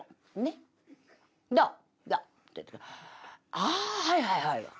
「ああはいはいはい」。